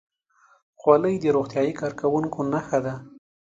خولۍ د روغتیايي کارکوونکو نښه ده.